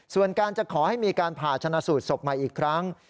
ส่วนการจะขอให้มีการผ่าชนะสูตรศพใหม่อีกครั้ง